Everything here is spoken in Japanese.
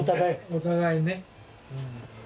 お互いね。